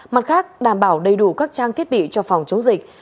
mặt khác đảm bảo đầy đủ các trang thiết bị cho phòng chống dịch